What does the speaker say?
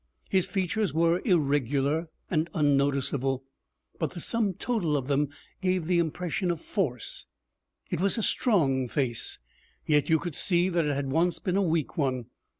His features were irregular and unnoticeable, but the sum total of them gave the impression of force. It was a strong face, yet you could see that it had once been a weak one.